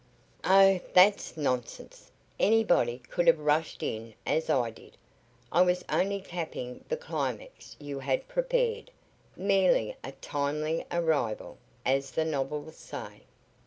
"Oh, that's nonsense! Anybody could have rushed in as I did. I was only capping the climax you had prepared merely a timely arrival, as the novels say.